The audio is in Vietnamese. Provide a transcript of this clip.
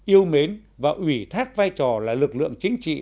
yêu mến và ủy thác vai trò là lực lượng chính trị